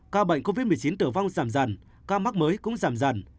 ca bệnh covid một mươi chín tử vong giảm dần ca mắc mới cũng giảm dần